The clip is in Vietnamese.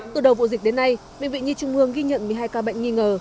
từ đầu vụ dịch đến nay bệnh viện nhi trung ương ghi nhận một mươi hai ca bệnh nghi ngờ